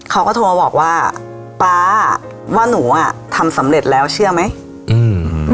เขาก็โทรมาบอกว่าป๊าว่าหนูอ่ะทำสำเร็จแล้วเชื่อไหมอืม